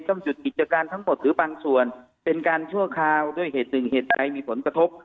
ต้องหยุดกิจการทั้งหมดหรือบางส่วนเป็นการชั่วคราวด้วยเหตุหนึ่งเหตุใดมีผลกระทบ